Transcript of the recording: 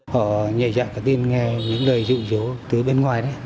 họ nhảy dạng cái tin nghe những lời dụ dỗ từ bên ngoài đấy